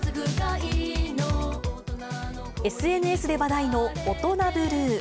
ＳＮＳで話題のオトナブルー。